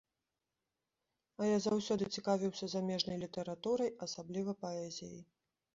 А я заўсёды цікавіўся замежнай літаратурай, асабліва паэзіяй.